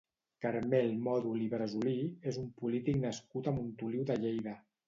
Carmel Mòdol i Bresolí és un polític nascut a Montoliu de Lleida.